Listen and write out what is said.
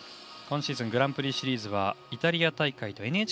今シーズングランプリシリーズはイタリア大会とＮＨＫ杯。